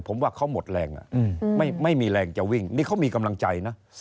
ผมว่าเขาหมดแรงไม่มีแรงจะวิ่งนี่เขามีกำลังใจนะ